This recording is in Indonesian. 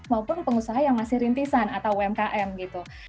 maupun pengusaha yang masih rintisan atau umkm gitu